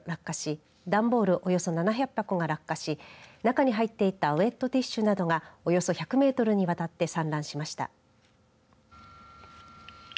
およそ７００箱が落下し中に入っていたウエットティッシュなどがおよそ１００メートルにわたって散乱しました。